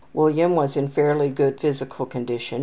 William was in fairly good physical condition.